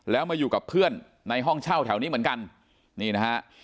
แล้วมาอยู่กับเพื่อนในห้องเช่าแถวนี้เหมือนกันนี่นะฮะ